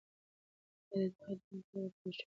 آیا د دغه جنګ پایله به د پښتنو په ګټه وي؟